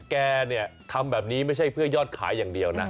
แกเนี่ยทำแบบนี้ไม่ใช่เพื่อยอดขายอย่างเดียวนะ